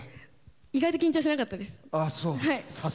意外と緊張しなかったです。